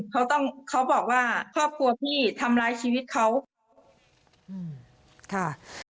เขาบอกว่าครอบครัวที่ทำร้ายชีวิตเขา